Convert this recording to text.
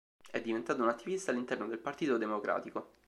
È diventato un attivista all'interno del Partito Democratico.